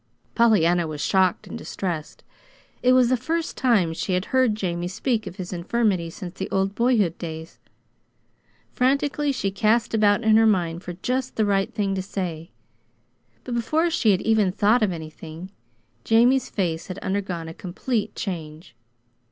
Pollyanna was shocked and distressed. It was the first time she had heard Jamie speak of his infirmity since the old boyhood days. Frantically she cast about in her mind for just the right thing to say; but before she had even thought of anything, Jamie's face had undergone a complete change.